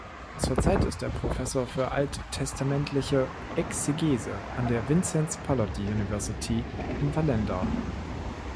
Zurzeit ist er Professor für Alttestamentliche Exegese an der Vinzenz Pallotti University in Vallendar.